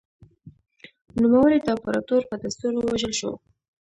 نوموړی د امپراتور په دستور ووژل شو